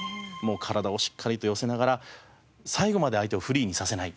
体をしっかりと寄せながら最後まで相手をフリーにさせない。